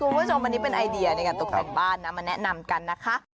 คุณผู้ชมอันนี้เป็นไอเดียในการตกแต่งบ้านนะมาแนะนำกันนะคะ